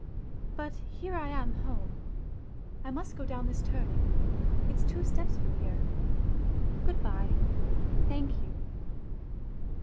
... But here I am home ; I must go down this turning, it's two steps from here. ... Good bye, thank you